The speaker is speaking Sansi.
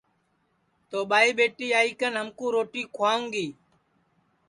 تو ٻائی ٻیٹی آئی کن ہمکُو روٹی کُھوائیو گی